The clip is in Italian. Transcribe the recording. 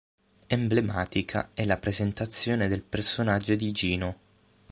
Emblematica è la presentazione del personaggio di Gino.